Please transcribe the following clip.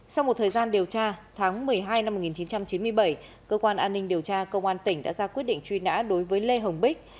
sau một thời gian điều tra tháng một mươi hai năm một nghìn chín trăm chín mươi bảy cơ quan an ninh điều tra công an tỉnh đã ra quyết định truy nã đối với lê hồng bích